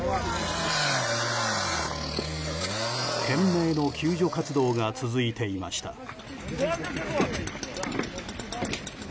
懸命の救助活動が続いていました。